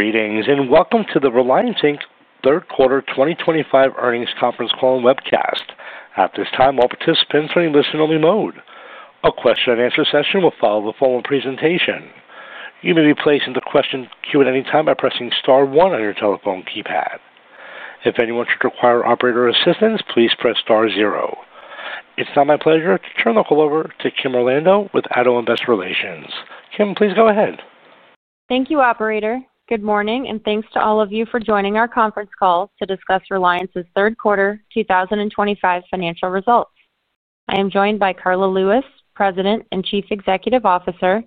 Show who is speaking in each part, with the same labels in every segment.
Speaker 1: Meetings and welcome to the Reliance Inc. Third Quarter 2025 Earnings Conference Call and Webcast. At this time, all participants are in listen-only mode. A question and answer session will follow the following presentation. You may be placed into question queue at any time by pressing star one on your telephone keypad. If anyone should require operator assistance, please press star zero. It's now my pleasure to turn the call over to Kim Orlando with Addo Investor Relations. Kim, please go ahead.
Speaker 2: Thank you, operator. Good morning, and thanks to all of you for joining our conference call to discuss Reliance's Third Quarter 2025 financial results. I am joined by Karla Lewis, President and Chief Executive Officer,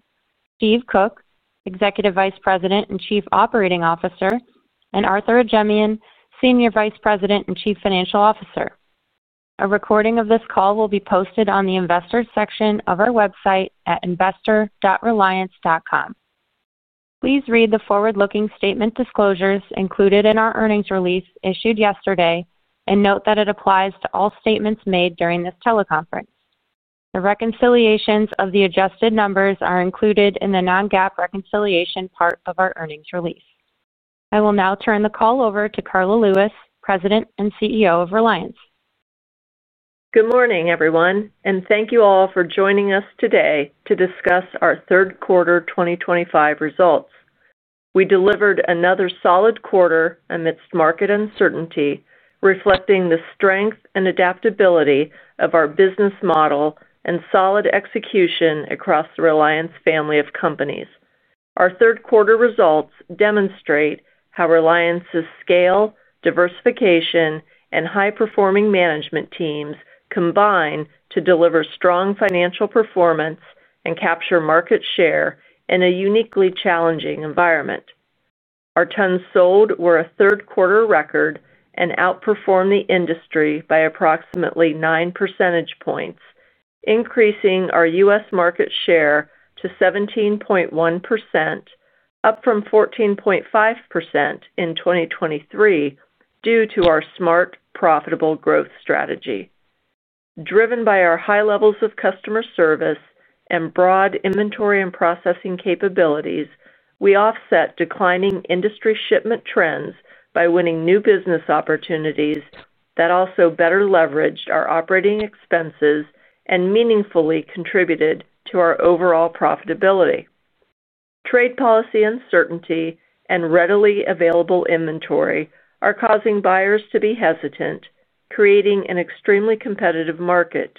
Speaker 2: Steve Cook, Executive Vice President and Chief Operating Officer, and Arthur Ajemyan, Senior Vice President and Chief Financial Officer. A recording of this call will be posted on the Investor section of our website at investor.reliance.com. Please read the forward-looking statement disclosures included in our earnings release issued yesterday and note that it applies to all statements made during this teleconference. The reconciliations of the adjusted numbers are included in the non-GAAP reconciliation part of our earnings release. I will now turn the call over to Karla Lewis, President and CEO of Reliance.
Speaker 3: Good morning, everyone, and thank you all for joining us today to discuss our Third Quarter 2025 results. We delivered another solid quarter amidst market uncertainty, reflecting the strength and adaptability of our business model and solid execution across the Reliance family of companies. Our Third Quarter results demonstrate how Reliance's scale, diversification, and high-performing management teams combine to deliver strong financial performance and capture market share in a uniquely challenging environment. Our tons sold were a Third Quarter record and outperformed the industry by approximately 9 percentage points, increasing our U.S. market share to 17.1%, up from 14.5% in 2023 due to our smart, profitable growth strategy. Driven by our high levels of customer service and broad inventory and processing capabilities, we offset declining industry shipment trends by winning new business opportunities that also better leveraged our operating expenses and meaningfully contributed to our overall profitability. Trade policy uncertainty and readily available inventory are causing buyers to be hesitant, creating an extremely competitive market.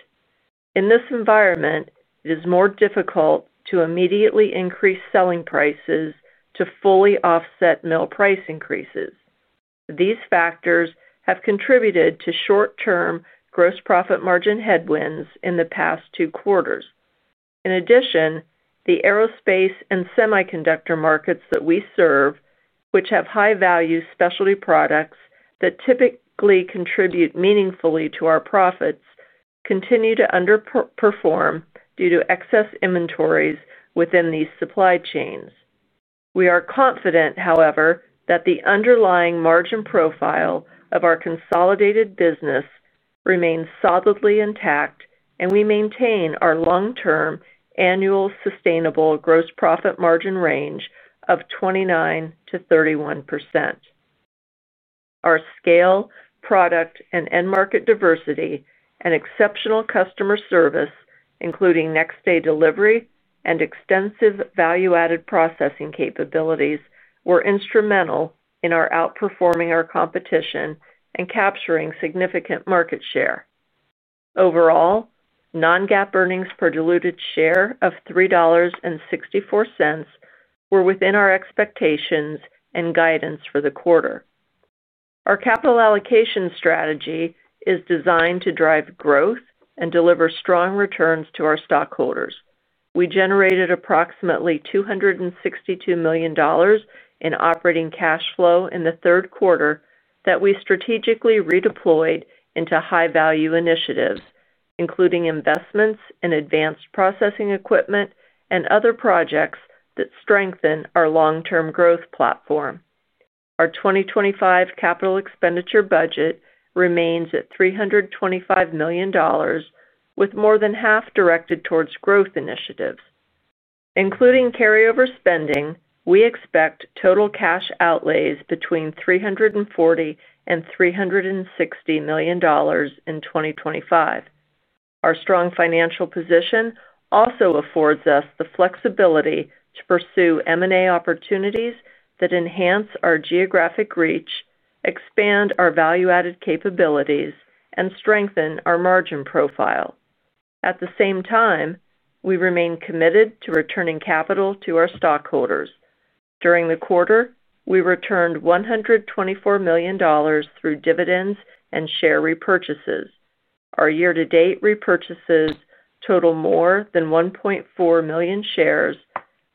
Speaker 3: In this environment, it is more difficult to immediately increase selling prices to fully offset mill price increases. These factors have contributed to short-term gross profit margin headwinds in the past two quarters. In addition, the aerospace and semiconductor markets that we serve, which have high-value specialty products that typically contribute meaningfully to our profits, continue to underperform due to excess inventories within these supply chains. We are confident, however, that the underlying margin profile of our consolidated business remains solidly intact, and we maintain our long-term annual sustainable gross profit margin range of 29% to 31%. Our scale, product, and end-market diversity, and exceptional customer service, including next-day delivery and extensive value-added processing capabilities, were instrumental in our outperforming our competition and capturing significant market share. Overall, non-GAAP earnings per diluted share of $3.64 were within our expectations and guidance for the quarter. Our capital allocation strategy is designed to drive growth and deliver strong returns to our stockholders. We generated approximately $262 million in operating cash flow in the third quarter that we strategically redeployed into high-value initiatives, including investments in advanced processing equipment and other projects that strengthen our long-term growth platform. Our 2025 capital expenditure budget remains at $325 million, with more than half directed towards growth initiatives. Including carryover spending, we expect total cash outlays between $340 million and $360 million in 2025. Our strong financial position also affords us the flexibility to pursue M&A opportunities that enhance our geographic reach, expand our value-added capabilities, and strengthen our margin profile. At the same time, we remain committed to returning capital to our stockholders. During the quarter, we returned $124 million through dividends and share repurchases. Our year-to-date repurchases total more than 1.4 million shares,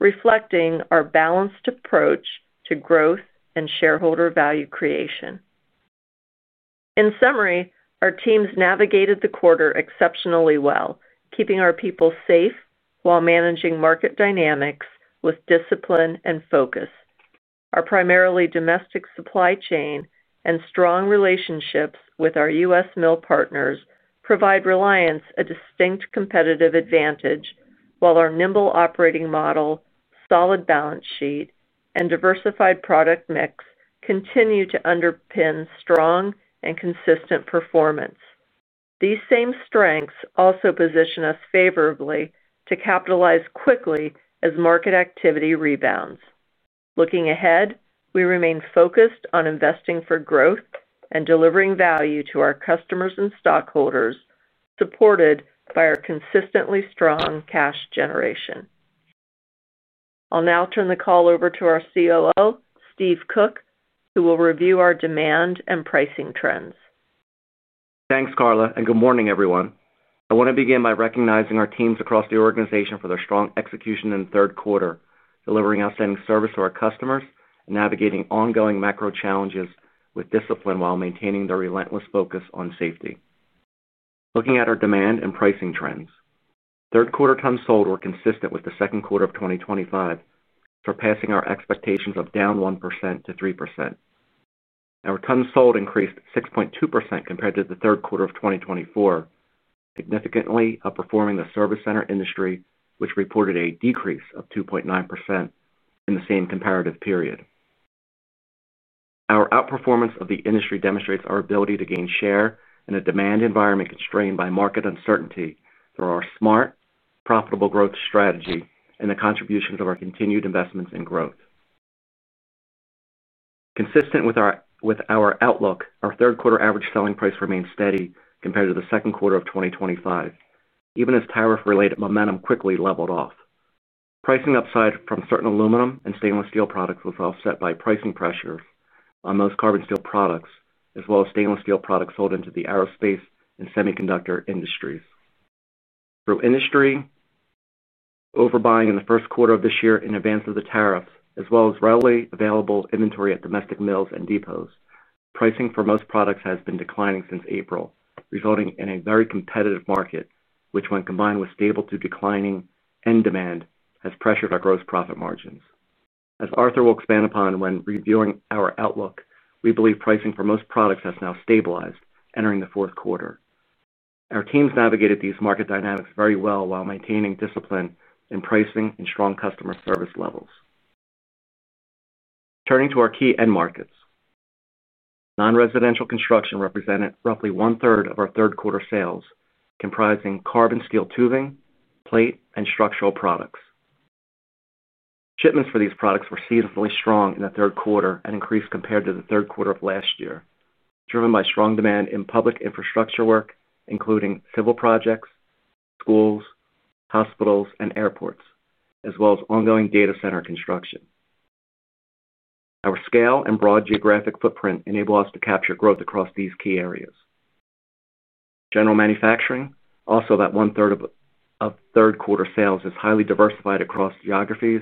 Speaker 3: reflecting our balanced approach to growth and shareholder value creation. In summary, our teams navigated the quarter exceptionally well, keeping our people safe while managing market dynamics with discipline and focus. Our primarily domestic supply chain and strong relationships with our U.S. mill partners provide Reliance a distinct competitive advantage, while our nimble operating model, solid balance sheet, and diversified product mix continue to underpin strong and consistent performance. These same strengths also position us favorably to capitalize quickly as market activity rebounds. Looking ahead, we remain focused on investing for growth and delivering value to our customers and stockholders, supported by our consistently strong cash generation. I'll now turn the call over to our COO, Steve Cook, who will review our demand and pricing trends.
Speaker 4: Thanks, Karla, and good morning, everyone. I want to begin by recognizing our teams across the organization for their strong execution in the third quarter, delivering outstanding service to our customers and navigating ongoing macro challenges with discipline while maintaining their relentless focus on safety. Looking at our demand and pricing trends, third quarter tonnes sold were consistent with the second quarter of 2025, surpassing our expectations of down 1% to 3%. Our tonnes sold increased 6.2% compared to the third quarter of 2024, significantly outperforming the service center industry, which reported a decrease of 2.9% in the same comparative period. Our outperformance of the industry demonstrates our ability to gain share in a demand environment constrained by market uncertainty through our smart, profitable growth strategy and the contributions of our continued investments in growth. Consistent with our outlook, our third quarter average selling price remains steady compared to the second quarter of 2025, even as tariff-related momentum quickly leveled off. Pricing upside from certain aluminum and stainless steel products was offset by pricing pressure on most carbon steel products, as well as stainless steel products sold into the aerospace and semiconductor industries. Through industry overbuying in the first quarter of this year in advance of the tariffs, as well as readily available inventory at domestic mills and depots, pricing for most products has been declining since April, resulting in a very competitive market, which, when combined with stable to declining end demand, has pressured our gross profit margins. As Arthur will expand upon when reviewing our outlook, we believe pricing for most products has now stabilized, entering the fourth quarter. Our teams navigated these market dynamics very well while maintaining discipline in pricing and strong customer service levels. Turning to our key end markets, non-residential construction represented roughly one-third of our third quarter sales, comprising carbon steel tubing, plate, and structural products. Shipments for these products were seasonally strong in the third quarter and increased compared to the third quarter of last year, driven by strong demand in public infrastructure work, including civil projects, schools, hospitals, and airports, as well as ongoing data center construction. Our scale and broad geographic footprint enable us to capture growth across these key areas. General manufacturing, also about one-third of third quarter sales, is highly diversified across geographies,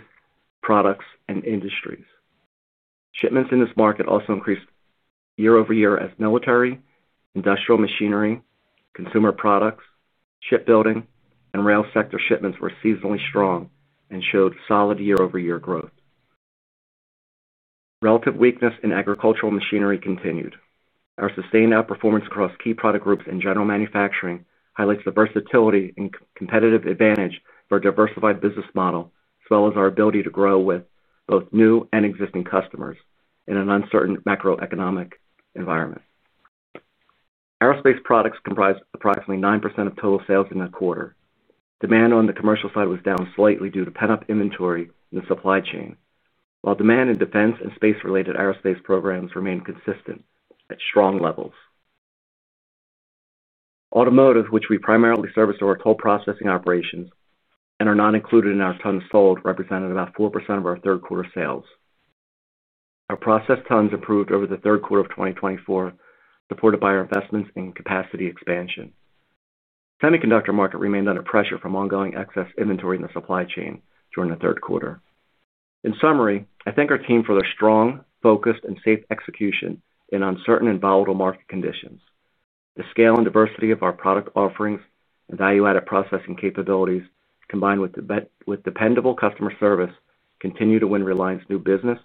Speaker 4: products, and industries. Shipments in this market also increased year over year as military, industrial machinery, consumer products, shipbuilding, and rail sector shipments were seasonally strong and showed solid year-over-year growth. Relative weakness in agricultural machinery continued. Our sustained outperformance across key product groups and general manufacturing highlights the versatility and competitive advantage of our diversified business model, as well as our ability to grow with both new and existing customers in an uncertain macroeconomic environment. Aerospace products comprise approximately 9% of total sales in a quarter. Demand on the commercial side was down slightly due to pent-up inventory in the supply chain, while demand in defense and space-related aerospace programs remained consistent at strong levels. Automotive, which we primarily service through our coil processing operations and are not included in our tons sold, represented about 4% of our third quarter sales. Our processed tonnes improved over the third quarter of 2024, supported by our investments in capacity expansion. The semiconductor market remained under pressure from ongoing excess inventory in the supply chain during the third quarter. In summary, I thank our team for their strong, focused, and safe execution in uncertain and volatile market conditions. The scale and diversity of our product offerings and value-added processing capabilities, combined with dependable customer service, continue to win Reliance new business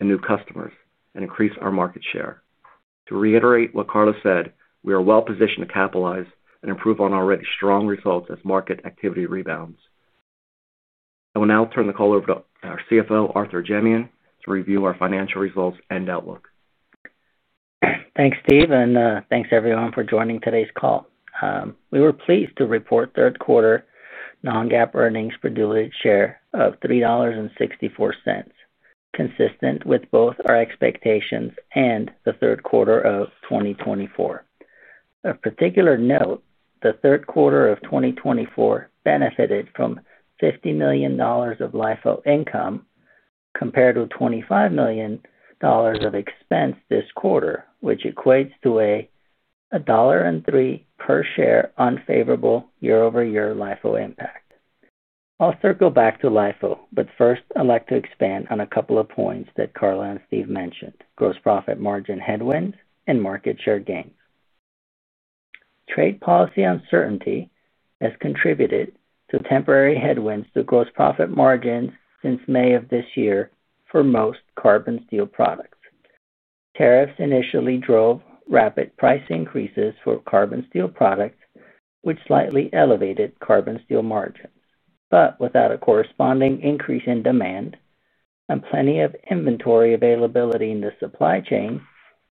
Speaker 4: and new customers and increase our market share. To reiterate what Karla said, we are well-positioned to capitalize and improve on already strong results as market activity rebounds. I will now turn the call over to our CFO, Arthur Ajemyan, to review our financial results and outlook.
Speaker 5: Thanks, Steve, and thanks everyone for joining today's call. We were pleased to report third quarter non-GAAP earnings for diluted share of $3.64, consistent with both our expectations and the third quarter of 2024. Of particular note, the third quarter of 2024 benefited from $50 million of LIFO income compared with $25 million of expense this quarter, which equates to a $1.3 per share unfavorable year-over-year LIFO impact. I'll circle back to LIFO, but first I'd like to expand on a couple of points that Karla and Steve mentioned. Gross profit margin headwinds and market share gains. Trade policy uncertainty has contributed to temporary headwinds to gross profit margins since May of this year for most carbon steel products. Tariffs initially drove rapid price increases for carbon steel products, which slightly elevated carbon steel margins. Without a corresponding increase in demand and plenty of inventory availability in the supply chain,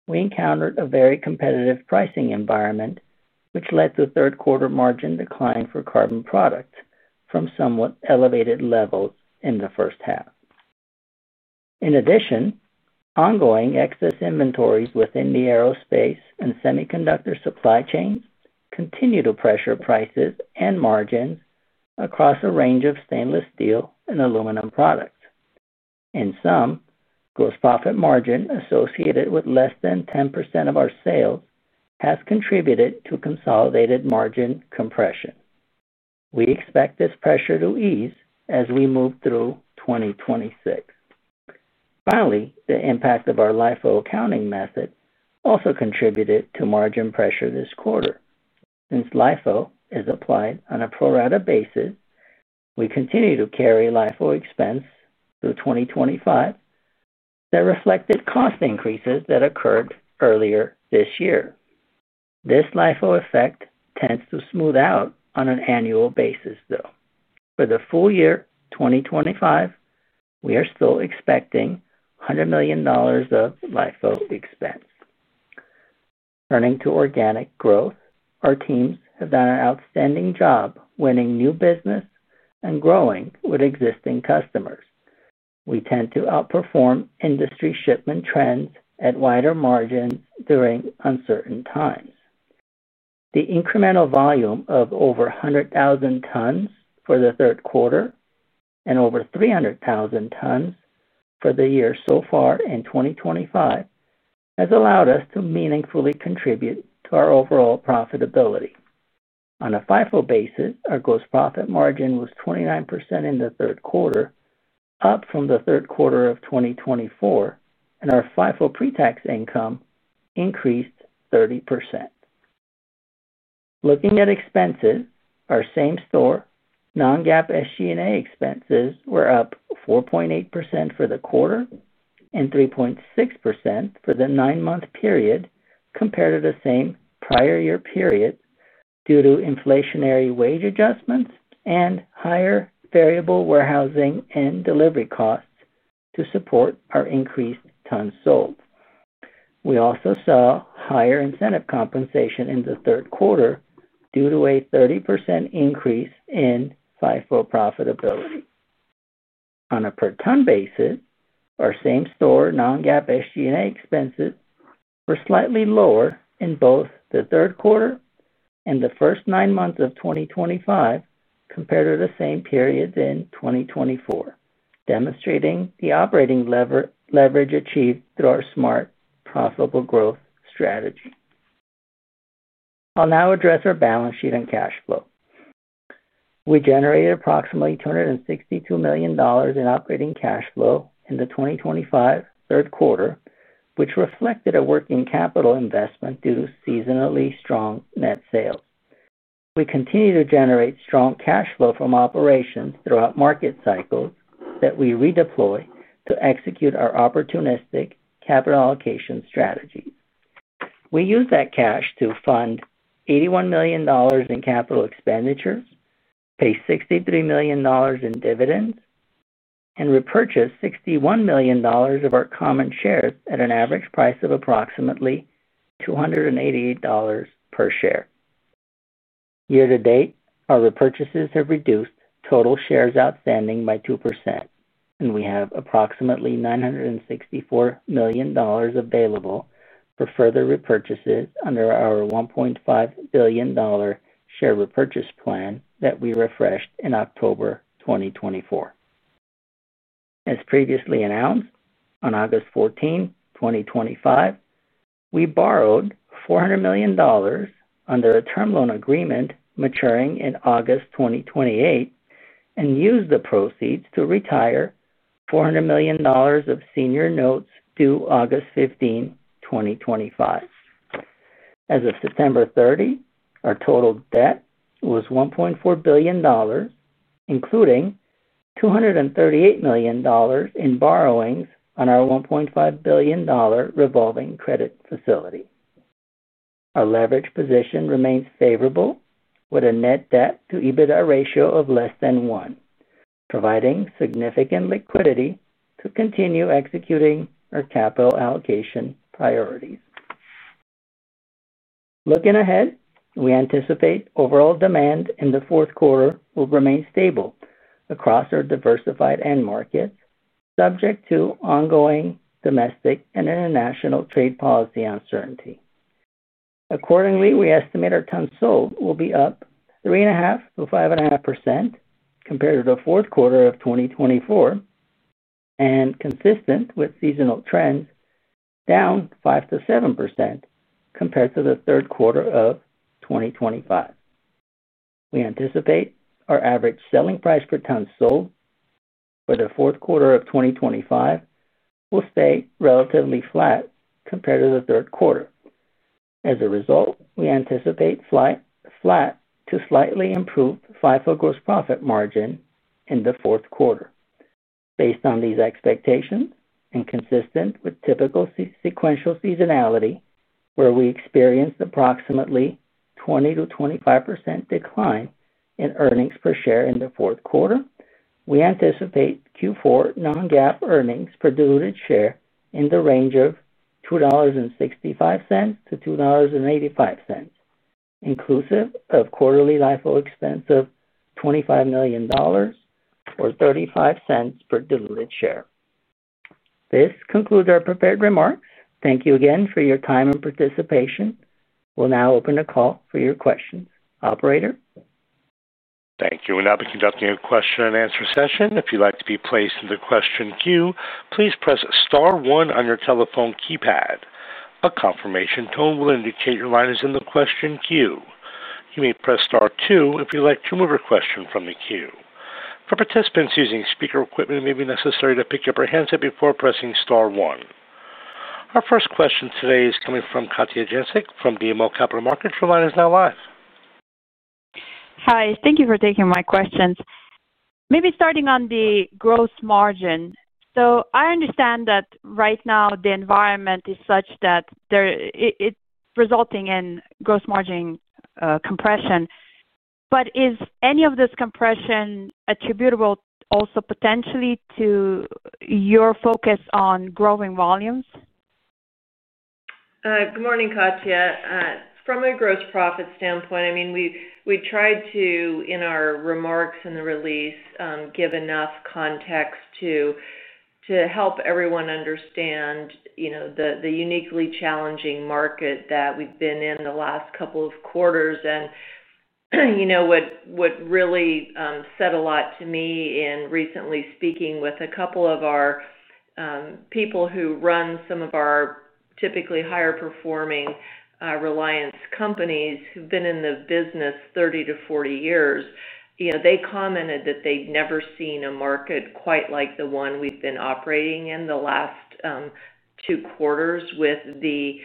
Speaker 5: we encountered a very competitive pricing environment, which led to third quarter margin decline for carbon products from somewhat elevated levels in the first half. In addition, ongoing excess inventories within the aerospace and semiconductor supply chains continue to pressure prices and margins across a range of stainless steel and aluminum products. In sum, gross profit margin associated with less than 10% of our sales has contributed to consolidated margin compression. We expect this pressure to ease as we move through 2026. Finally, the impact of our LIFO accounting method also contributed to margin pressure this quarter. Since LIFO is applied on a pro-rata basis, we continue to carry LIFO expense through 2025 that reflected cost increases that occurred earlier this year. This LIFO effect tends to smooth out on an annual basis, though. For the full year 2025, we are still expecting $100 million of LIFO expense. Turning to organic growth, our teams have done an outstanding job winning new business and growing with existing customers. We tend to outperform industry shipment trends at wider margins during uncertain times. The incremental volume of over 100,000 tons for the third quarter and over 300,000 tons for the year so far in 2025 has allowed us to meaningfully contribute to our overall profitability. On a FIFO basis, our gross profit margin was 29% in the third quarter, up from the third quarter of 2024, and our FIFO pre-tax income increased 30%. Looking at expenses, our same-store non-GAAP SG&A expenses were up 4.8% for the quarter and 3.6% for the nine-month period compared to the same prior year period due to inflationary wage adjustments and higher variable warehousing and delivery costs to support our increased tons sold. We also saw higher incentive compensation in the third quarter due to a 30% increase in FIFO profitability. On a per-ton basis, our same-store non-GAAP SG&A expenses were slightly lower in both the third quarter and the first nine months of 2025 compared to the same period in 2024, demonstrating the operating leverage achieved through our smart, profitable growth strategy. I'll now address our balance sheet and cash flow. We generated approximately $262 million in operating cash flow in the 2025 third quarter, which reflected a working capital investment due to seasonally strong net sales. We continue to generate strong cash flow from operations throughout market cycles that we redeploy to execute our opportunistic capital allocation strategies. We use that cash to fund $81 million in capital expenditures, pay $63 million in dividends, and repurchase $61 million of our common shares at an average price of approximately $288 per share. Year-to-date, our repurchases have reduced total shares outstanding by 2%, and we have approximately $964 million available for further repurchases under our $1.5 billion share repurchase plan that we refreshed in October 2024. As previously announced, on August 14, 2025, we borrowed $400 million under a term loan agreement maturing in August 2028 and used the proceeds to retire $400 million of senior notes due August 15, 2025. As of September 30, our total debt was $1.4 billion, including $238 million in borrowings on our $1.5 billion revolving credit facility. Our leverage position remains favorable, with a net debt to EBITDA ratio of less than 1, providing significant liquidity to continue executing our capital allocation priorities. Looking ahead, we anticipate overall demand in the fourth quarter will remain stable across our diversified end markets, subject to ongoing domestic and international trade policy uncertainty. Accordingly, we estimate our tons sold will be up 3.5% to 5.5% compared to the fourth quarter of 2024 and, consistent with seasonal trends, down 5% to 7% compared to the third quarter of 2025. We anticipate our average selling price per ton sold for the fourth quarter of 2025 will stay relatively flat compared to the third quarter. As a result, we anticipate flat to slightly improved FIFO gross profit margin in the fourth quarter. Based on these expectations and consistent with typical sequential seasonality, where we experienced approximately 20% to 25% decline in earnings per share in the fourth quarter, we anticipate Q4 non-GAAP earnings per diluted share in the range of $2.65 to $2.85, inclusive of quarterly LIFO expense of $25 million or $0.35 per diluted share. This concludes our prepared remarks. Thank you again for your time and participation. We'll now open the call for your questions, operator.
Speaker 1: Thank you. We'll now be conducting a question and answer session. If you'd like to be placed in the question queue, please press star one on your telephone keypad. A confirmation tone will indicate your line is in the question queue. You may press star two if you'd like to remove a question from the queue. For participants using speaker equipment, it may be necessary to pick up your headset before pressing star one. Our first question today is coming from Katja Jancic from BMO Capital Markets. Your line is now live.
Speaker 6: Hi. Thank you for taking my questions. Maybe starting on the gross margin. I understand that right now the environment is such that it's resulting in gross margin compression. Is any of this compression attributable also potentially to your focus on growing volumes?
Speaker 3: Good morning, Katja. From a gross profit standpoint, we tried to, in our remarks in the release, give enough context to help everyone understand the uniquely challenging market that we've been in the last couple of quarters. What really said a lot to me in recently speaking with a couple of our people who run some of our typically higher-performing Reliance companies who've been in the business 30 to 40 years, they commented that they'd never seen a market quite like the one we've been operating in the last two quarters with the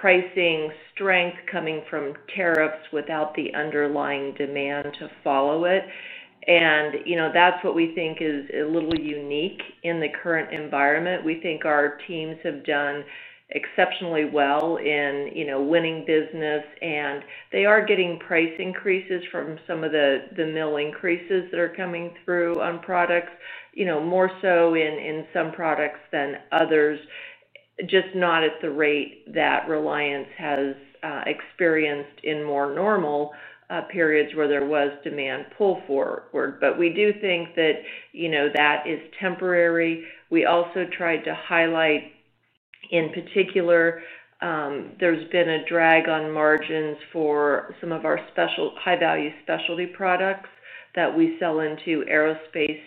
Speaker 3: pricing strength coming from tariffs without the underlying demand to follow it. That's what we think is a little unique in the current environment. We think our teams have done exceptionally well in winning business, and they are getting price increases from some of the mill increases that are coming through on products, more so in some products than others, just not at the rate that Reliance has experienced in more normal periods where there was demand pull forward. We do think that is temporary. We also tried to highlight, in particular, there's been a drag on margins for some of our high-value specialty products that we sell into aerospace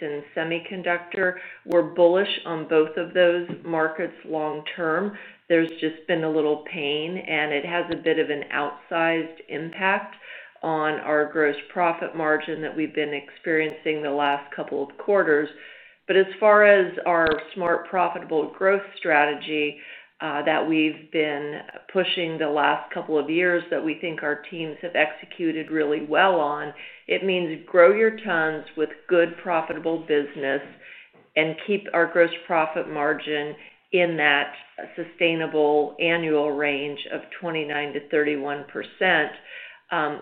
Speaker 3: and semiconductor. We're bullish on both of those markets long term. There's just been a little pain, and it has a bit of an outsized impact on our gross profit margin that we've been experiencing the last couple of quarters. As far as our smart, profitable growth strategy that we've been pushing the last couple of years that we think our teams have executed really well on, it means grow your tonnes with good, profitable business and keep our gross profit margin in that sustainable annual range of 29% to 31%.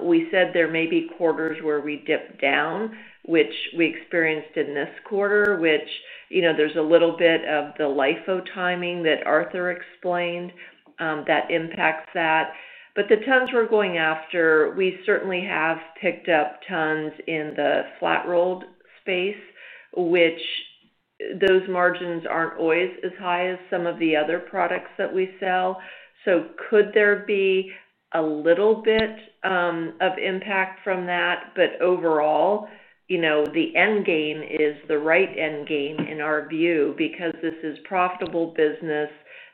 Speaker 3: We said there may be quarters where we dip down, which we experienced in this quarter, and there's a little bit of the LIFO timing that Arthur explained that impacts that. The tonnes we're going after, we certainly have picked up tonnes in the flat-rolled space, which those margins aren't always as high as some of the other products that we sell. Could there be a little bit of impact from that? Overall, the end game is the right end game in our view because this is profitable business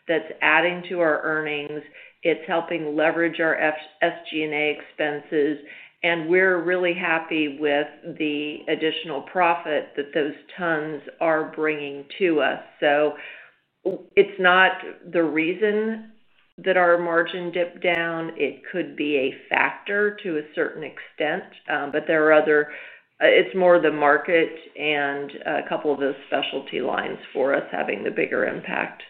Speaker 3: that's adding to our earnings. It's helping leverage our SG&A expenses, and we're really happy with the additional profit that those tonnes are bringing to us. It's not the reason that our margin dipped down. It could be a factor to a certain extent, but it's more the market and a couple of those specialty lines for us having the bigger impact.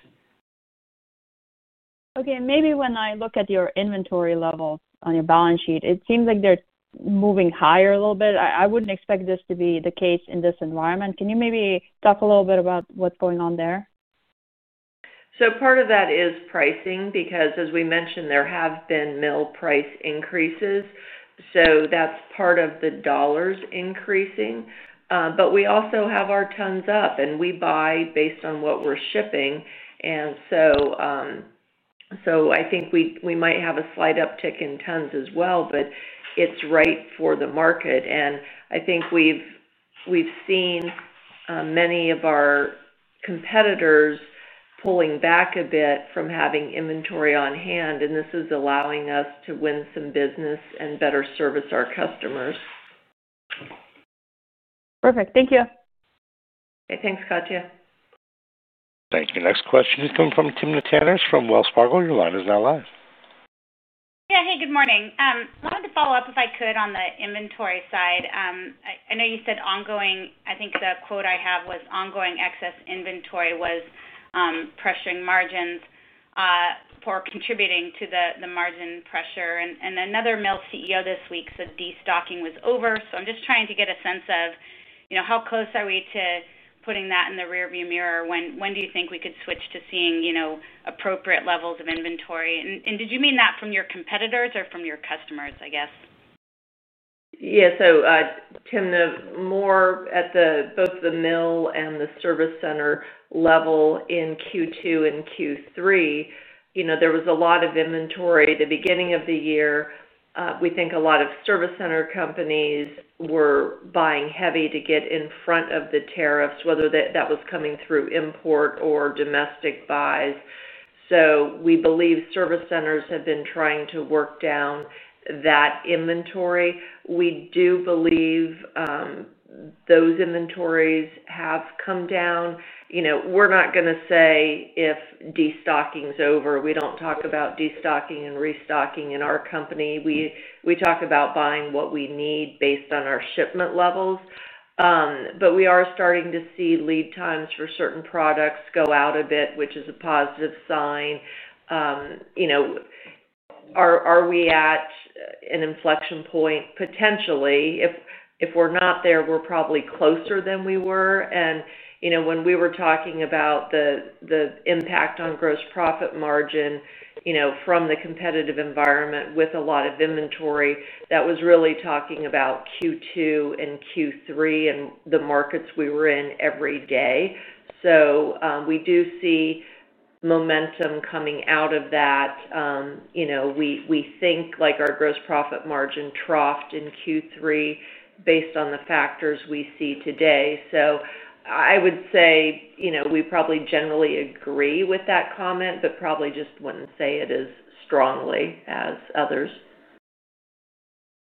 Speaker 6: Okay. Maybe when I look at your inventory levels on your balance sheet, it seems like they're moving higher a little bit. I wouldn't expect this to be the case in this environment. Can you maybe talk a little bit about what's going on there?
Speaker 3: Part of that is pricing because, as we mentioned, there have been mill price increases. That's part of the dollars increasing, but we also have our tonnes up, and we buy based on what we're shipping. I think we might have a slight uptick in tonnes as well, but it's right for the market. I think we've seen many of our competitors pulling back a bit from having inventory on hand, and this is allowing us to win some business and better service our customers.
Speaker 6: Perfect. Thank you.
Speaker 3: Okay. Thanks, Katja.
Speaker 1: Thank you. Next question is coming from Timna Tanners from Wells Fargo. Your line is now live.
Speaker 7: Yeah. Hey, good morning. I wanted to follow up if I could on the inventory side. I know you said ongoing, I think the quote I have was ongoing excess inventory was pressuring margins, for contributing to the margin pressure. Another mill CEO this week said destocking was over. I'm just trying to get a sense of, you know, how close are we to putting that in the rearview mirror? When do you think we could switch to seeing, you know, appropriate levels of inventory? Did you mean that from your competitors or from your customers, I guess?
Speaker 3: Yeah. Timna, more at both the mill and the service center level in Q2 and Q3, there was a lot of inventory at the beginning of the year. We think a lot of service center companies were buying heavy to get in front of the tariffs, whether that was coming through import or domestic buys. We believe service centers have been trying to work down that inventory. We do believe those inventories have come down. We're not going to say if destocking's over. We don't talk about destocking and restocking in our company. We talk about buying what we need based on our shipment levels. We are starting to see lead times for certain products go out a bit, which is a positive sign. Are we at an inflection point? Potentially. If we're not there, we're probably closer than we were. When we were talking about the impact on gross profit margin from the competitive environment with a lot of inventory, that was really talking about Q2 and Q3 and the markets we were in every day. We do see momentum coming out of that. We think our gross profit margin troughed in Q3 based on the factors we see today. I would say we probably generally agree with that comment, but probably just wouldn't say it as strongly as others.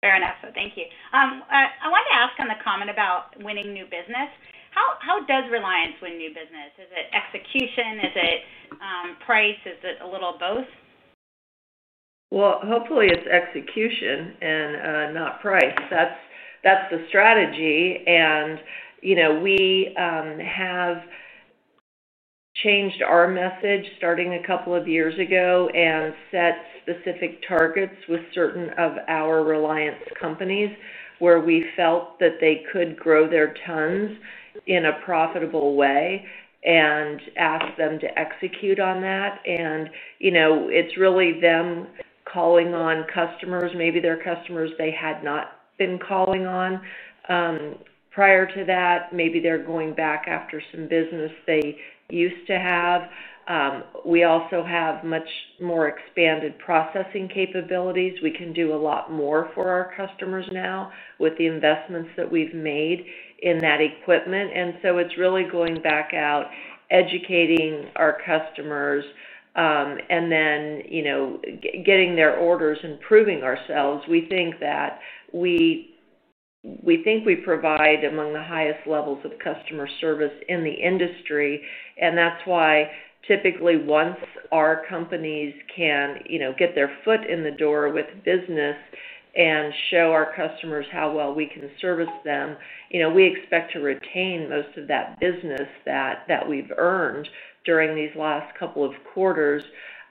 Speaker 7: Fair enough. Thank you. I wanted to ask on the comment about winning new business. How does Reliance win new business? Is it execution? Is it price? Is it a little of both?
Speaker 3: Hopefully, it's execution and not price. That's the strategy. You know, we have changed our message starting a couple of years ago and set specific targets with certain of our Reliance companies where we felt that they could grow their tons in a profitable way and ask them to execute on that. You know, it's really them calling on customers, maybe they're customers they had not been calling on prior to that. Maybe they're going back after some business they used to have. We also have much more expanded processing capabilities. We can do a lot more for our customers now with the investments that we've made in that equipment. It's really going back out, educating our customers, and then, you know, getting their orders and proving ourselves. We think we provide among the highest levels of customer service in the industry. That's why, typically, once our companies can, you know, get their foot in the door with business and show our customers how well we can service them, we expect to retain most of that business that we've earned during these last couple of quarters.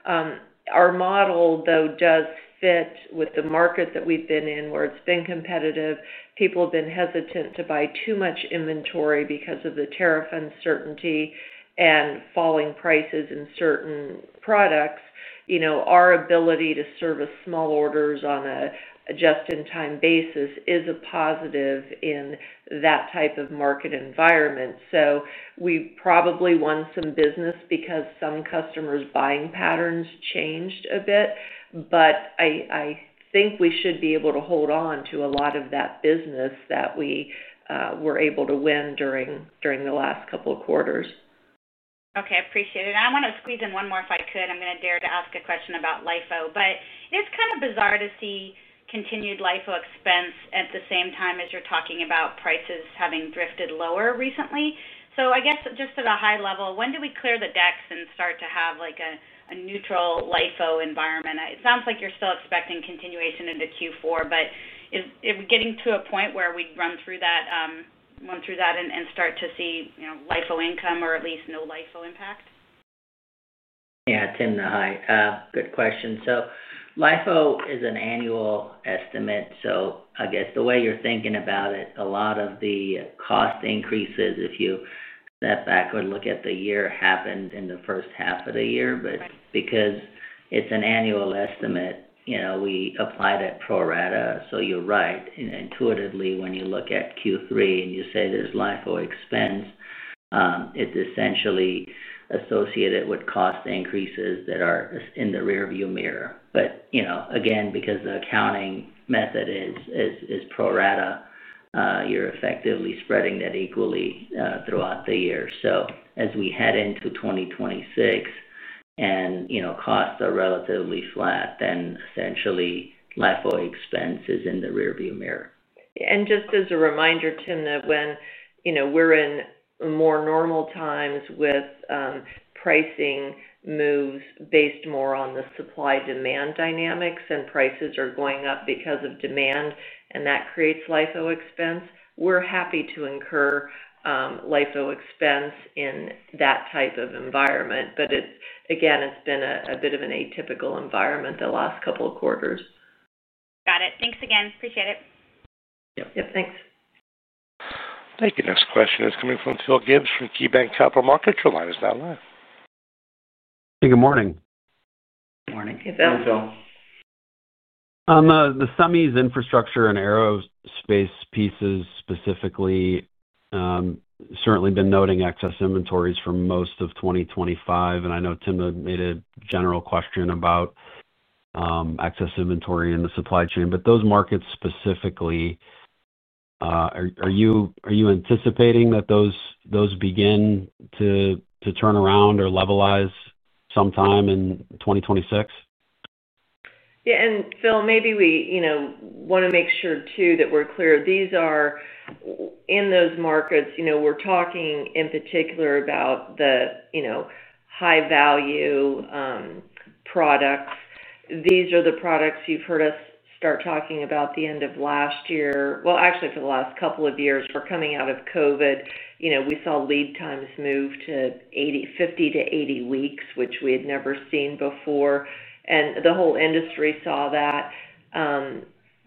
Speaker 3: Our model, though, does fit with the market that we've been in where it's been competitive. People have been hesitant to buy too much inventory because of the tariff uncertainty and falling prices in certain products. You know, our ability to service small orders on a just-in-time basis is a positive in that type of market environment. We probably won some business because some customers' buying patterns changed a bit. I think we should be able to hold on to a lot of that business that we were able to win during the last couple of quarters.
Speaker 7: Okay. I appreciate it. I want to squeeze in one more if I could. I'm going to dare to ask a question about the LIFO accounting method. It is kind of bizarre to see continued LIFO expense at the same time as you're talking about prices having drifted lower recently. I guess just at a high level, when do we clear the decks and start to have a neutral LIFO environment? It sounds like you're still expecting continuation into Q4. Are we getting to a point where we run through that and start to see, you know, LIFO income or at least no LIFO impact?
Speaker 5: Yeah. Timna, hi, good question. LIFO is an annual estimate. I guess the way you're thinking about it, a lot of the cost increases, if you step back or look at the year, happened in the first half of the year. Because it's an annual estimate, we apply that pro rata. You're right. Intuitively, when you look at Q3 and you say there's LIFO expense, it's essentially associated with cost increases that are in the rearview mirror. Because the accounting method is pro rata, you're effectively spreading that equally throughout the year. As we head into 2026 and costs are relatively flat, then essentially, LIFO expense is in the rearview mirror.
Speaker 3: Just as a reminder, Tim, when we're in more normal times with pricing moves based more on the supply-demand dynamics and prices are going up because of demand, and that creates LIFO expense, we're happy to incur LIFO expense in that type of environment. It's been a bit of an atypical environment the last couple of quarters.
Speaker 7: Got it. Thanks again. Appreciate it.
Speaker 5: Yep.
Speaker 3: Yep. Thanks.
Speaker 1: Thank you. Next question is coming from Phil Gibbs from KeyBanc Capital Markets. Your line is now live.
Speaker 8: Hey, good morning.
Speaker 5: Morning.
Speaker 3: Hey, Philip.
Speaker 8: Hello, Phil. The Semi's infrastructure and aerospace pieces specifically, certainly been noting excess inventories for most of 2025. I know Timna had made a general question about excess inventory in the supply chain. Those markets specifically, are you anticipating that those begin to turn around or levelize sometime in 2026?
Speaker 3: Yeah. Phil, maybe we want to make sure too that we're clear. These are in those markets, we're talking in particular about the high-value products. These are the products you've heard us start talking about at the end of last year, actually for the last couple of years. We're coming out of COVID. We saw lead times move to 50 to 80 weeks, which we had never seen before. The whole industry saw that.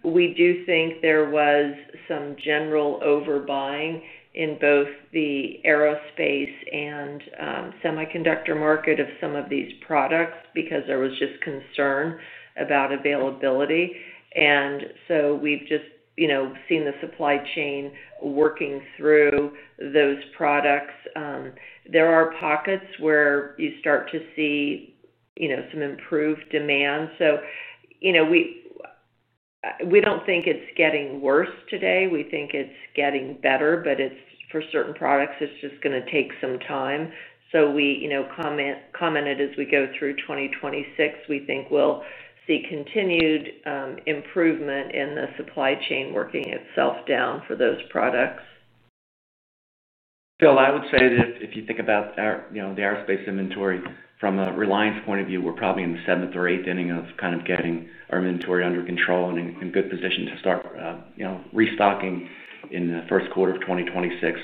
Speaker 3: We do think there was some general overbuying in both the aerospace and semiconductor market of some of these products because there was just concern about availability. We've seen the supply chain working through those products. There are pockets where you start to see some improved demand. We don't think it's getting worse today. We think it's getting better, but for certain products, it's just going to take some time. We commented as we go through 2026, we think we'll see continued improvement in the supply chain working itself down for those products.
Speaker 4: Phil, I would say that if you think about our, you know, the aerospace inventory from a Reliance point of view, we're probably in the seventh or eighth inning of kind of getting our inventory under control and in a good position to start, you know, restocking in the first quarter of 2026.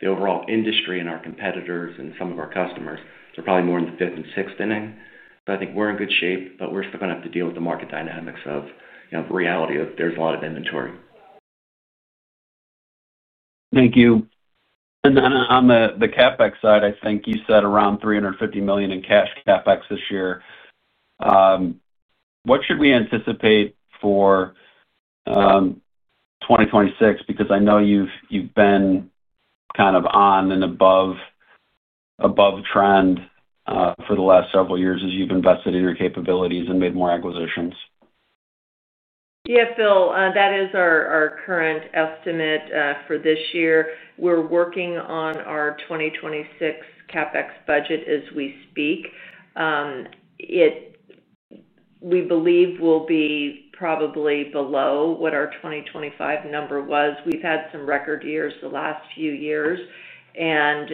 Speaker 4: The overall industry and our competitors and some of our customers, they're probably more in the fifth and sixth inning. I think we're in good shape, but we're still going to have to deal with the market dynamics of, you know, the reality of there's a lot of inventory.
Speaker 8: Thank you. On the CapEx side, I think you said around $350 million in cash CapEx this year. What should we anticipate for 2026? I know you've been kind of on and above trend for the last several years as you've invested in your capabilities and made more acquisitions.
Speaker 3: Yeah, Phil, that is our current estimate for this year. We're working on our 2026 CapEx budget as we speak. It, we believe, will be probably below what our 2025 number was. We've had some record years the last few years, and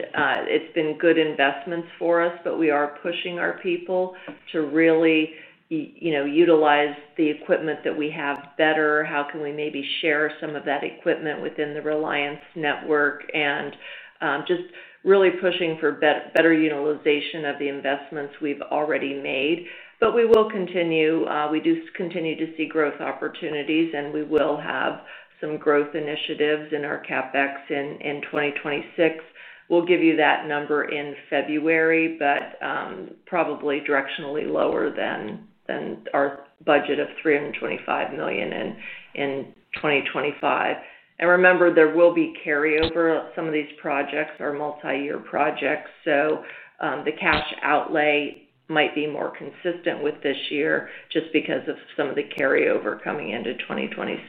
Speaker 3: it's been good investments for us, but we are pushing our people to really, you know, utilize the equipment that we have better. How can we maybe share some of that equipment within the Reliance network? We're just really pushing for better utilization of the investments we've already made. We do continue to see growth opportunities, and we will have some growth initiatives in our CapEx in 2026. We'll give you that number in February, probably directionally lower than our budget of $325 million in 2025. Remember, there will be carryover. Some of these projects are multi-year projects, so the cash outlay might be more consistent with this year just because of some of the carryover coming into 2026.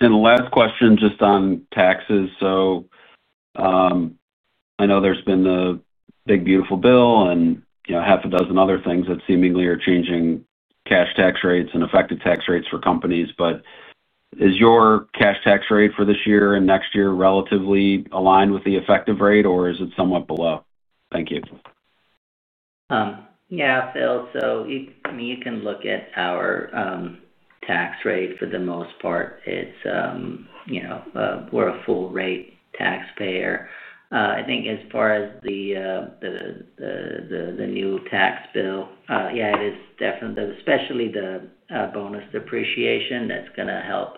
Speaker 8: The last question is just on taxes. I know there's been the Big Beautiful Bill and, you know, half a dozen other things that seemingly are changing cash tax rates and effective tax rates for companies. Is your cash tax rate for this year and next year relatively aligned with the effective rate, or is it somewhat below? Thank you.
Speaker 5: Yeah, Phil. You can look at our tax rate. For the most part, it's, you know, we're a full-rate taxpayer. I think as far as the new tax bill, yeah, it is definitely, especially the bonus depreciation, that's going to help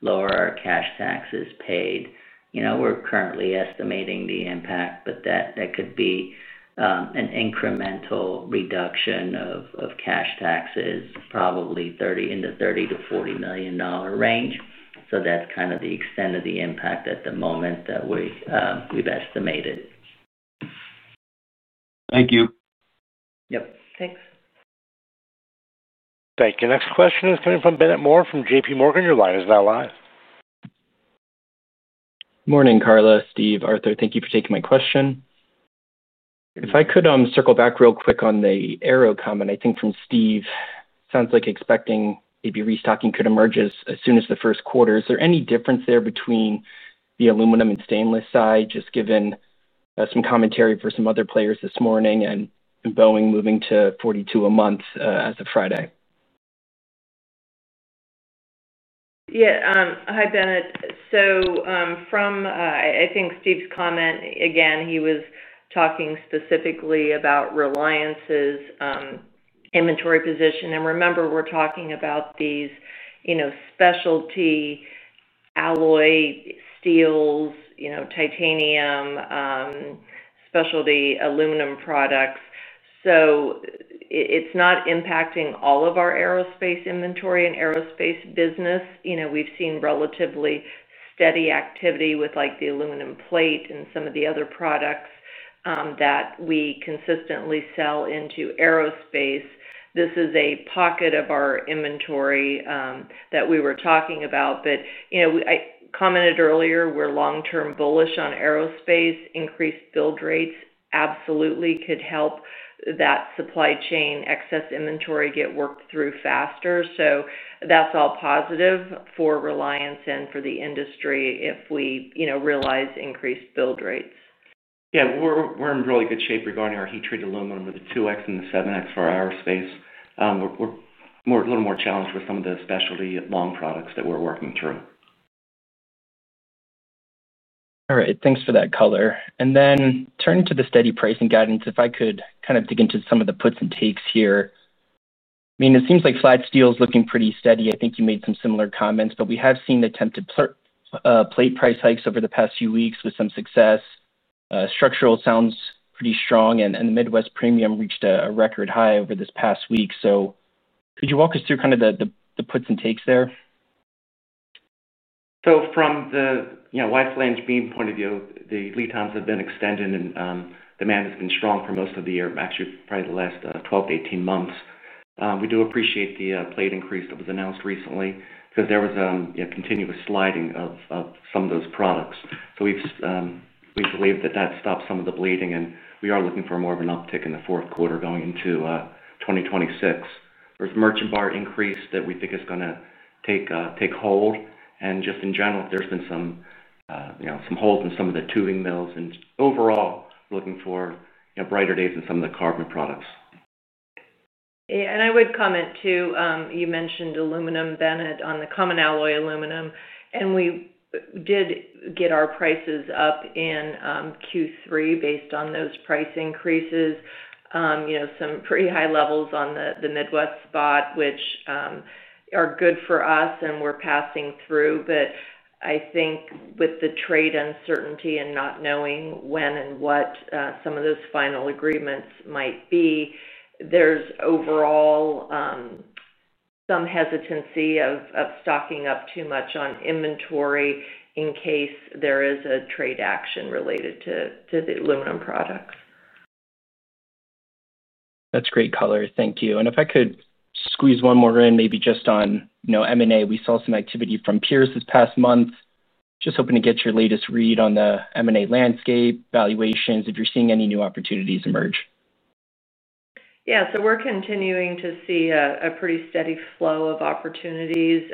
Speaker 5: lower our cash taxes paid. We're currently estimating the impact, but that could be an incremental reduction of cash taxes, probably in the $30 to $40 million range. That's kind of the extent of the impact at the moment that we've estimated.
Speaker 8: Thank you.
Speaker 3: Yep. Thanks.
Speaker 1: Thank you. Next question is coming from Bennett Moore from JPMorgan. Your line is now live.
Speaker 9: Morning, Karla, Steve, Arthur. Thank you for taking my question. If I could, circle back real quick on the Arrow comment, I think from Steve, it sounds like expecting maybe restocking could emerge as soon as the first quarter. Is there any difference there between the aluminum and stainless side, just given some commentary for some other players this morning and Boeing moving to 42 a month, as of Friday?
Speaker 3: Yeah. Hi, Bennett. From Steve's comment, he was talking specifically about Reliance Inc.'s inventory position. Remember, we're talking about these specialty alloy steels, titanium, specialty aluminum products. It's not impacting all of our aerospace inventory and aerospace business. We've seen relatively steady activity with the aluminum plate and some of the other products that we consistently sell into aerospace. This is a pocket of our inventory that we were talking about. I commented earlier, we're long-term bullish on aerospace. Increased build rates absolutely could help that supply chain excess inventory get worked through faster. That's all positive for Reliance and for the industry if we realize increased build rates.
Speaker 4: Yeah. We're in really good shape regarding our heat-treated aluminum with the 2X and the 7X for our aerospace. We're a little more challenged with some of the specialty long products that we're working through.
Speaker 9: All right. Thanks for that color. Turning to the steady pricing guidance, if I could kind of dig into some of the puts and takes here. It seems like flat steel is looking pretty steady. I think you made some similar comments, but we have seen attempted plate price hikes over the past few weeks with some success. Structural sounds pretty strong, and the Midwest premium reached a record high over this past week. Could you walk us through kind of the puts and takes there?
Speaker 4: From the wide flange beam point of view, the lead times have been extended, and demand has been strong for most of the year, actually, probably the last 12 to 18 months. We do appreciate the plate increase that was announced recently because there was continuous sliding of some of those products. We've believed that stopped some of the bleeding, and we are looking for more of an uptick in the fourth quarter going into 2026. There's a merchant bar increase that we think is going to take hold. In general, there's been some holds in some of the tubing mills. Overall, we're looking for brighter days in some of the carbon products.
Speaker 3: Yeah. I would comment too, you mentioned aluminum, Bennett, on the common alloy aluminum. We did get our prices up in Q3 based on those price increases. You know, some pretty high levels on the Midwest spot, which are good for us, and we're passing through. I think with the trade uncertainty and not knowing when and what some of those final agreements might be, there's overall some hesitancy of stocking up too much on inventory in case there is a trade action related to the aluminum products.
Speaker 9: That's great color. Thank you. If I could squeeze one more in, maybe just on M&A. We saw some activity from Pierce this past month. Just hoping to get your latest read on the M&A landscape, valuations, if you're seeing any new opportunities emerge.
Speaker 3: Yeah. We're continuing to see a pretty steady flow of opportunities.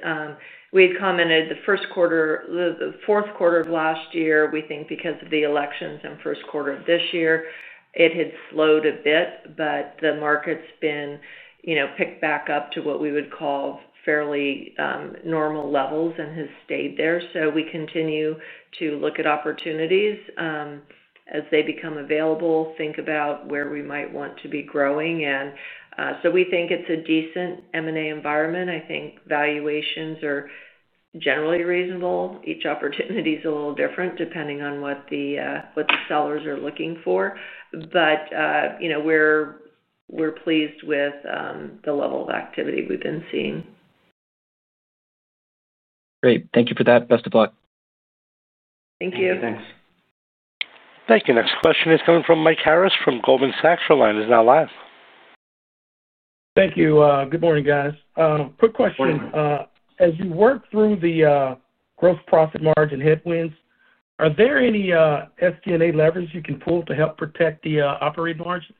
Speaker 3: We had commented the first quarter, the fourth quarter of last year, we think because of the elections and first quarter of this year, it had slowed a bit, but the market's been picked back up to what we would call fairly normal levels and has stayed there. We continue to look at opportunities as they become available, think about where we might want to be growing. We think it's a decent M&A environment. I think valuations are generally reasonable. Each opportunity is a little different depending on what the sellers are looking for. We're pleased with the level of activity we've been seeing.
Speaker 9: Great. Thank you for that. Best of luck.
Speaker 3: Thank you.
Speaker 9: Thanks.
Speaker 1: Thank you. Next question is coming from Mike Harris from Goldman Sachs. Your line is now live.
Speaker 10: Thank you. Good morning, guys. Quick question. As you work through the gross profit margin headwinds, are there any SG&A levers you can pull to help protect the operating margin?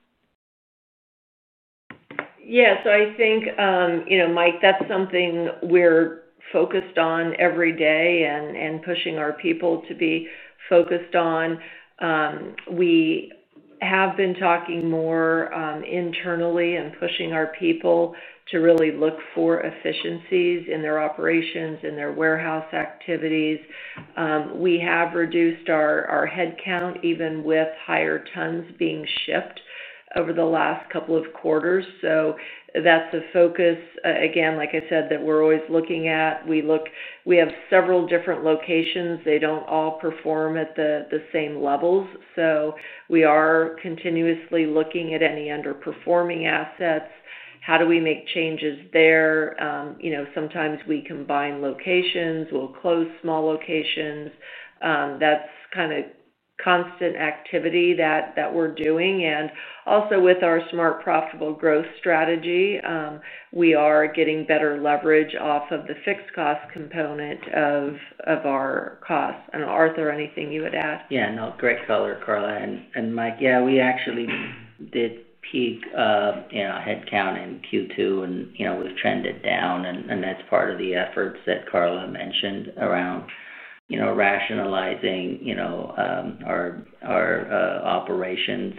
Speaker 3: Yeah. I think, you know, Mike, that's something we're focused on every day and pushing our people to be focused on. We have been talking more internally and pushing our people to really look for efficiencies in their operations, in their warehouse activities. We have reduced our headcount even with higher tonnes being shipped over the last couple of quarters. That's a focus, again, like I said, that we're always looking at. We have several different locations. They don't all perform at the same levels. We are continuously looking at any underperforming assets. How do we make changes there? You know, sometimes we combine locations. We'll close small locations. That's kind of constant activity that we're doing. Also, with our smart, profitable growth strategy, we are getting better leverage off of the fixed cost component of our costs. Arthur, anything you would add?
Speaker 5: Yeah. Great color, Karla. Mike, we actually did peak headcount in Q2, and we've trended down. That's part of the efforts that Karla mentioned around rationalizing our operations.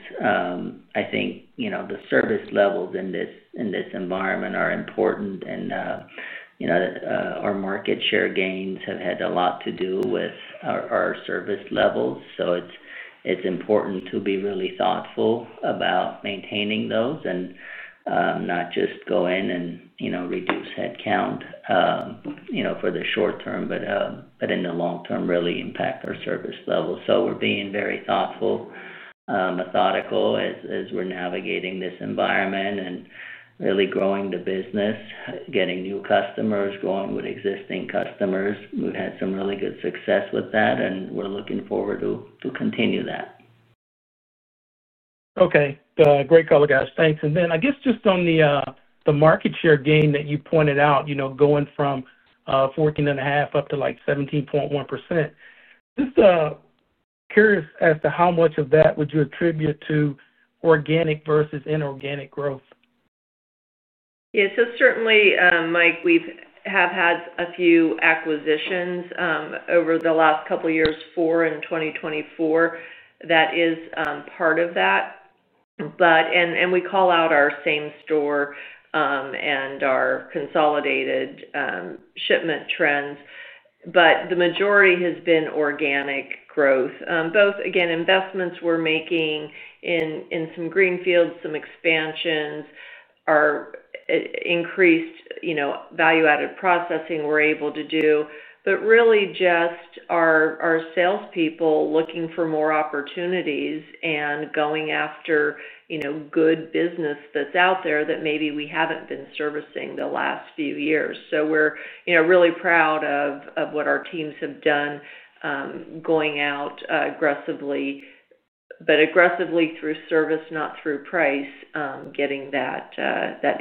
Speaker 5: I think the service levels in this environment are important. Our market share gains have had a lot to do with our service levels. It's important to be really thoughtful about maintaining those, not just go in and reduce headcount for the short term, but in the long term, really impact our service levels. We're being very thoughtful, methodical as we're navigating this environment and really growing the business, getting new customers, growing with existing customers. We've had some really good success with that, and we're looking forward to continue that.
Speaker 10: Okay. Great call, guys. Thanks. I guess just on the market share gain that you pointed out, going from 14.5% up to 17.1%, just curious as to how much of that would you attribute to organic versus inorganic growth?
Speaker 3: Yeah. Certainly, Mike, we have had a few acquisitions over the last couple of years, four in 2024. That is part of that, and we call out our same store and our consolidated shipment trends. The majority has been organic growth, both investments we're making in some greenfields, some expansions, our increased value-added processing we're able to do. Really just our salespeople looking for more opportunities and going after good business that's out there that maybe we haven't been servicing the last few years. We're really proud of what our teams have done, going out aggressively, but aggressively through service, not through price, getting that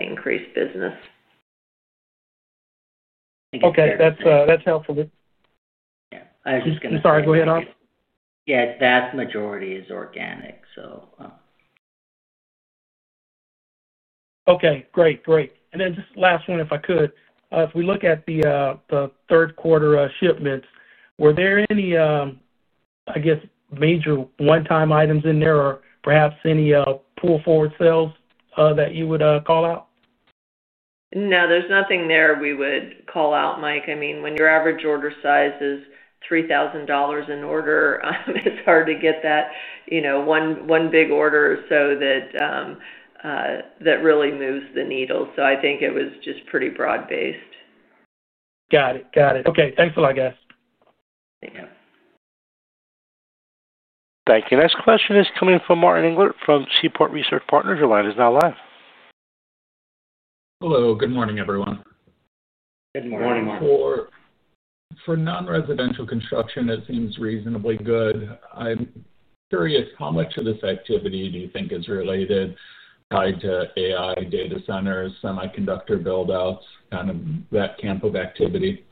Speaker 3: increased business.
Speaker 10: Okay, that's helpful.
Speaker 5: Yeah, I was just going to.
Speaker 10: I'm sorry. Go ahead, Arthur.
Speaker 5: Yeah, that majority is organic.
Speaker 10: Okay. Great. And then just the last one, if I could. If we look at the third quarter shipments, were there any major one-time items in there or perhaps any pull-forward sales that you would call out?
Speaker 3: No, there's nothing there we would call out, Mike. I mean, when your average order size is $3,000 an order, it's hard to get that one big order that really moves the needle. I think it was just pretty broad-based.
Speaker 10: Got it. Okay. Thanks a lot, guys.
Speaker 3: Thank you.
Speaker 1: Thank you. Next question is coming from Martin Englert from Seaport Research Partners. Your line is now live.
Speaker 11: Hello. Good morning, everyone.
Speaker 5: Good morning, Martin.
Speaker 11: For nonresidential construction, it seems reasonably good. I'm curious, how much of this activity do you think is related, tied to AI, data centers, semiconductor buildouts, kind of that camp of activity?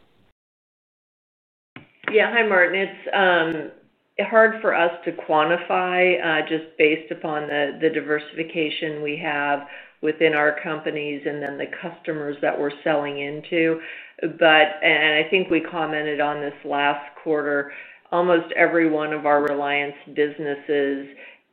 Speaker 3: Yeah. Hi, Martin. It's hard for us to quantify, just based upon the diversification we have within our companies and then the customers that we're selling into. I think we commented on this last quarter, almost every one of our Reliance businesses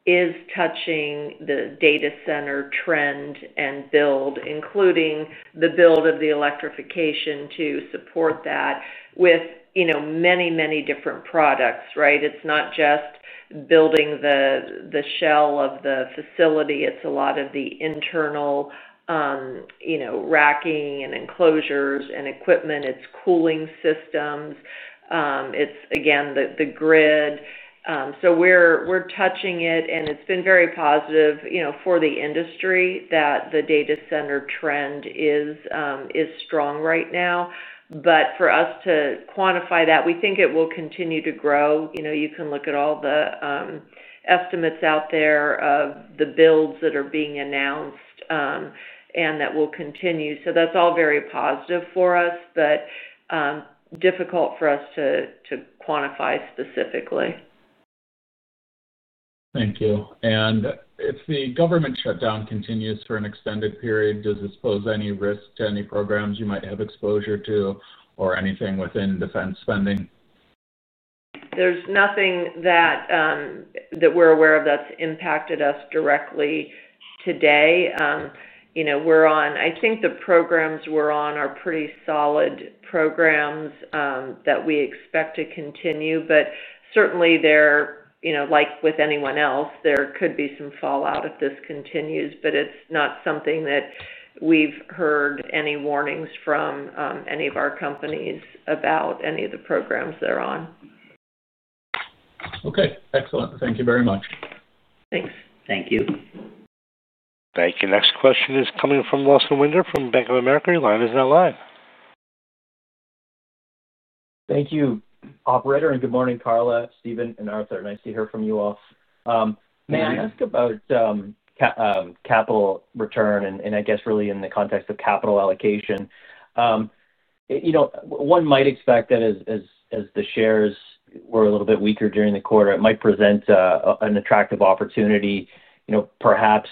Speaker 3: is touching the data center trend and build, including the build of the electrification to support that with, you know, many, many different products, right? It's not just building the shell of the facility. It's a lot of the internal, you know, racking and enclosures and equipment. It's cooling systems. It's, again, the grid. We're touching it, and it's been very positive, you know, for the industry that the data center trend is strong right now. For us to quantify that, we think it will continue to grow. You know, you can look at all the estimates out there of the builds that are being announced, and that will continue. That's all very positive for us, but difficult for us to quantify specifically.
Speaker 11: Thank you. If the government shutdown continues for an extended period, does this pose any risk to any programs you might have exposure to or anything within defense spending?
Speaker 3: There's nothing that we're aware of that's impacted us directly today. We're on, I think, the programs we're on are pretty solid programs that we expect to continue. Certainly, like with anyone else, there could be some fallout if this continues, but it's not something that we've heard any warnings from any of our companies about any of the programs they're on.
Speaker 11: Okay. Excellent. Thank you very much.
Speaker 3: Thanks.
Speaker 5: Thank you.
Speaker 1: Thank you. Next question is coming from Lawson Winder from Bank of America. Your line is now live.
Speaker 12: Thank you, operator. Good morning, Karla, Steve, and Arthur. Nice to hear from you all. May I ask about capital return, and I guess really in the context of capital allocation? You know, one might expect that as the shares were a little bit weaker during the quarter, it might present an attractive opportunity to perhaps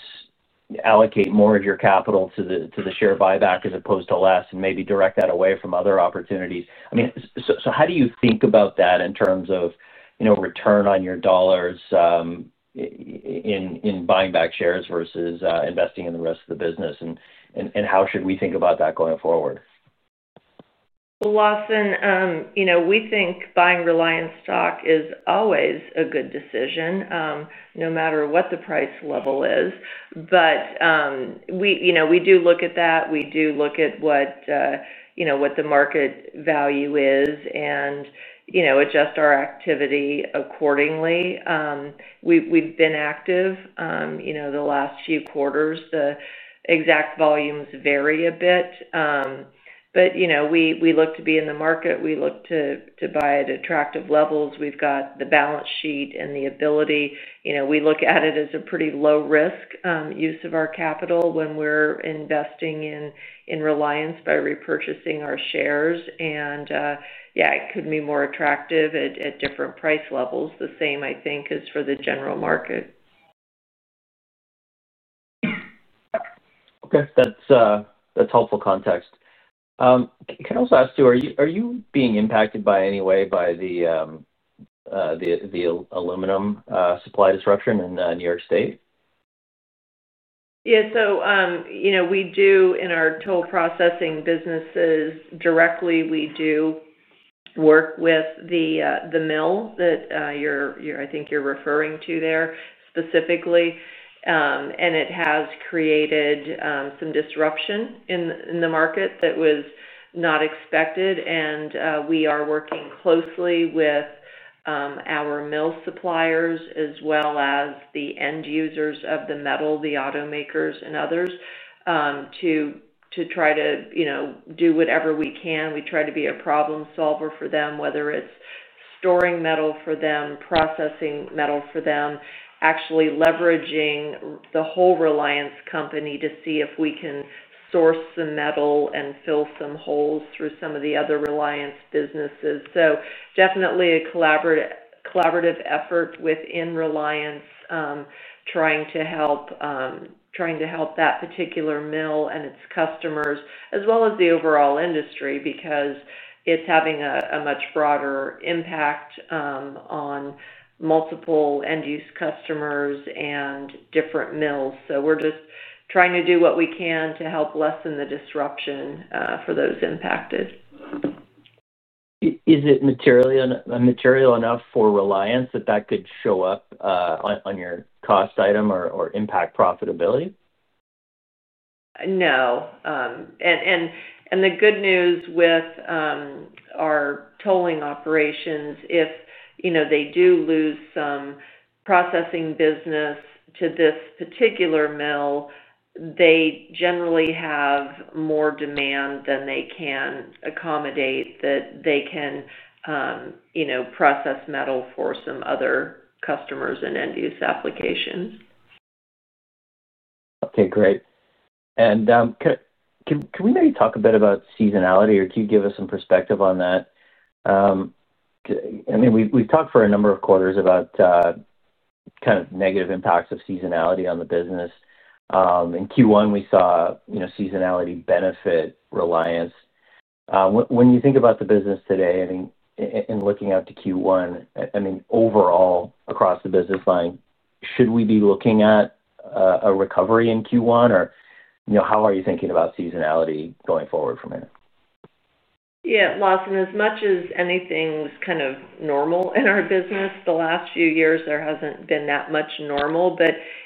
Speaker 12: allocate more of your capital to the share buyback as opposed to less and maybe direct that away from other opportunities. I mean, how do you think about that in terms of return on your dollars in buying back shares versus investing in the rest of the business? How should we think about that going forward?
Speaker 3: Lawson, you know, we think buying Reliance stock is always a good decision, no matter what the price level is. We do look at that. We do look at what the market value is and, you know, adjust our activity accordingly. We've been active the last few quarters. The exact volumes vary a bit, but we look to be in the market. We look to buy at attractive levels. We've got the balance sheet and the ability. We look at it as a pretty low-risk use of our capital when we're investing in Reliance by repurchasing our shares. Yeah, it couldn't be more attractive at different price levels, the same, I think, as for the general market.
Speaker 12: Okay, that's helpful context. Can I also ask you, are you being impacted in any way by the aluminum supply disruption in New York State?
Speaker 3: Yeah. We do, in our toll processing businesses directly, work with the mill that I think you're referring to there specifically. It has created some disruption in the market that was not expected. We are working closely with our mill suppliers as well as the end users of the metal, the automakers and others, to try to do whatever we can. We try to be a problem solver for them, whether it's storing metal for them, processing metal for them, actually leveraging the whole Reliance company to see if we can source some metal and fill some holes through some of the other Reliance businesses. It is definitely a collaborative effort within Reliance, trying to help that particular mill and its customers as well as the overall industry because it's having a much broader impact on multiple end-use customers and different mills. We are just trying to do what we can to help lessen the disruption for those impacted.
Speaker 12: Is it materially unmaterial enough for Reliance that that could show up on your cost item or impact profitability?
Speaker 3: No, and the good news with our tolling operations, if they do lose some processing business to this particular mill, they generally have more demand than they can accommodate. They can process metal for some other customers and end-use applications.
Speaker 12: Okay. Great. Can we maybe talk a bit about seasonality, or can you give us some perspective on that? We've talked for a number of quarters about kind of negative impacts of seasonality on the business. In Q1, we saw seasonality benefit Reliance. When you think about the business today, and looking out to Q1, overall across the business line, should we be looking at a recovery in Q1, or how are you thinking about seasonality going forward from here?
Speaker 3: Yeah. Lawson, as much as anything was kind of normal in our business, the last few years, there hasn't been that much normal.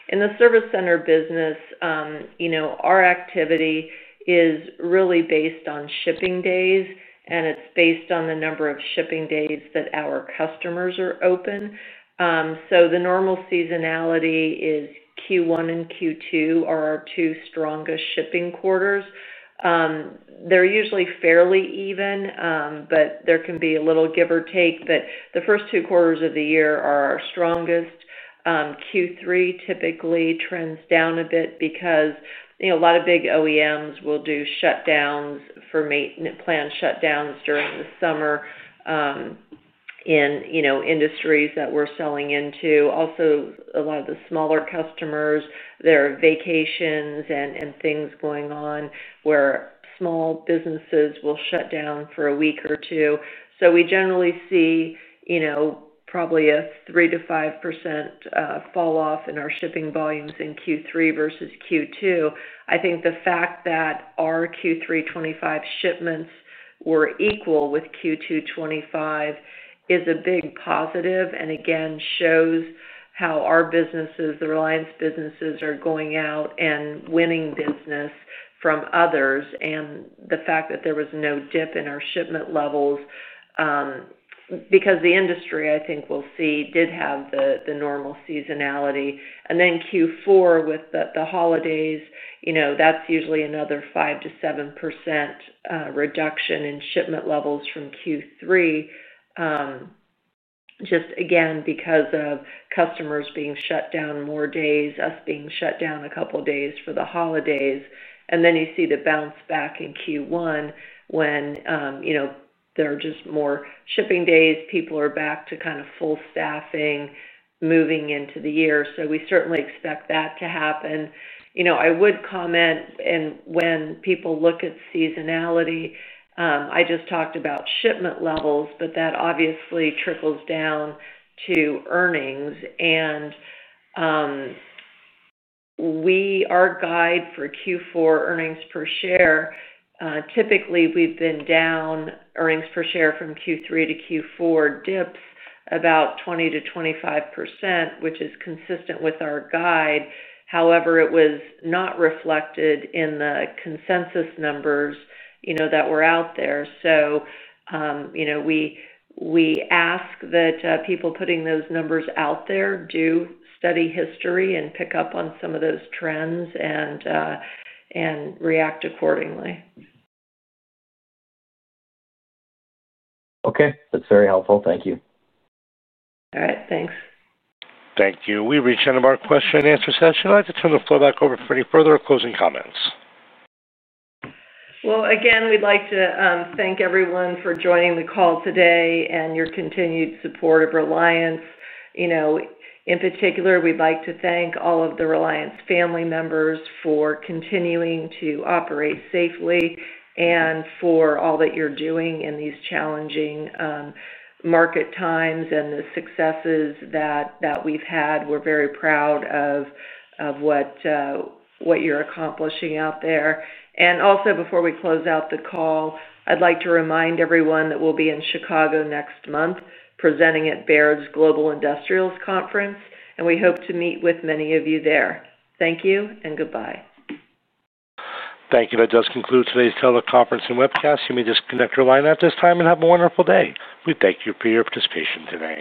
Speaker 3: In the service center business, our activity is really based on shipping days, and it's based on the number of shipping days that our customers are open. The normal seasonality is Q1 and Q2 are our two strongest shipping quarters. They're usually fairly even, but there can be a little give or take. The first two quarters of the year are our strongest. Q3 typically trends down a bit because a lot of big OEMs will do shutdowns for maintenance plant shutdowns during the summer in industries that we're selling into. Also, a lot of the smaller customers, there are vacations and things going on where small businesses will shut down for a week or two. We generally see probably a 3% to 5% falloff in our shipping volumes in Q3 versus Q2. I think the fact that our Q3 2025 shipments were equal with Q2 2025 is a big positive and, again, shows how our businesses, the Reliance businesses, are going out and winning business from others. The fact that there was no dip in our shipment levels, because the industry, I think, we'll see did have the normal seasonality. Q4 with the holidays, that's usually another 5% to 7% reduction in shipment levels from Q3, just again, because of customers being shut down more days, us being shut down a couple of days for the holidays. You see the bounce back in Q1 when there are just more shipping days, people are back to kind of full staffing, moving into the year. We certainly expect that to happen. I would comment, and when people look at seasonality, I just talked about shipment levels, but that obviously trickles down to earnings. Our guide for Q4 earnings per share, typically, we've been down earnings per share from Q3 to Q4 dips about 20% to 25%, which is consistent with our guide. However, it was not reflected in the consensus numbers that were out there. We ask that people putting those numbers out there do study history and pick up on some of those trends and react accordingly.
Speaker 12: Okay, that's very helpful. Thank you.
Speaker 3: All right, thanks.
Speaker 1: Thank you. We reached the end of our question and answer session. I'd like to turn the floor back over for any further closing comments.
Speaker 3: We'd like to thank everyone for joining the call today and your continued support of Reliance. In particular, we'd like to thank all of the Reliance family members for continuing to operate safely and for all that you're doing in these challenging market times and the successes that we've had. We're very proud of what you're accomplishing out there. Before we close out the call, I'd like to remind everyone that we'll be in Chicago next month, presenting at Baird's Global Industrials Conference. We hope to meet with many of you there. Thank you and goodbye.
Speaker 1: Thank you. That does conclude today's teleconference and webcast. You may disconnect your line at this time and have a wonderful day. We thank you for your participation today.